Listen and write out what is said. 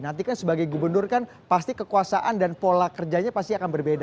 nanti kan sebagai gubernur kan pasti kekuasaan dan pola kerjanya pasti akan berbeda